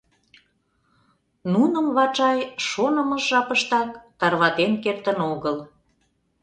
Нуным Вачай шонымыж жапыштак тарватен кертын огыл.